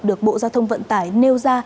được bộ giao thông vận tải nêu ra